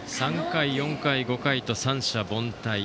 ３回、４回、５回と三者凡退。